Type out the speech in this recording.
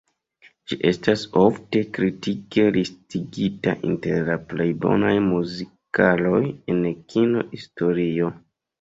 Ĝi estas ofte kritike listigita inter la plej bonaj muzikaloj en kino-historio.